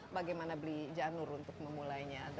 bagaimana beli janur untuk memulainya